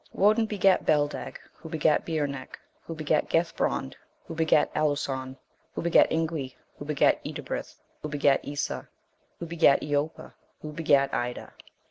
Woden begat Beldeg, who begat Beornec, who begat Gethbrond, who begat Aluson, who begat Ingwi, who begat Edibrith, who begat Esa, who begat Eoppa, who begat Ida.